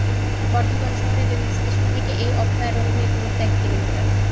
বর্ধমান শহরের রেলস্টেশন থেকে এই অভয়ারণ্যের দুরত্ব এক কিলোমিটার।